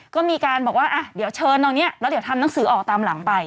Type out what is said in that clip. ก็มีการบอกว่าอ่ะเดี๋ยวเชิญตรงนี้แล้วเดี๋ยวทำหนังสือออกตามหลังไป